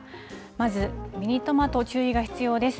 まずミニトマト、注意が必要です。